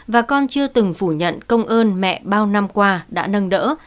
và con chưa từng phủ nhận công ơn mẹ bao năm qua đã nâng đỡ